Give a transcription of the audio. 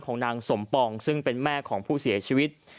นางสมปองซึ่งเป็นแม่ของผู้เสียชีวิต